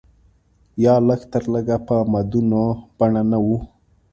یا لږ تر لږه په مدونه بڼه نه و.